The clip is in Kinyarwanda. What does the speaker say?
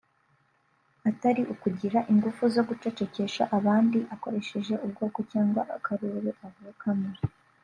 atari ukugira ingufu zo gucecekesha abandi akoresheje ubwoko cyangwa akarere avukamo